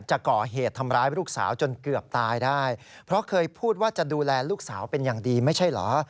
จะก่อเหตุทำร้ายลูกสาวจนเกือบตายได้เพราะเคยพูดว่าจะดูแลลูกสาวเป็นอย่างดีไม่ใช่เหรอ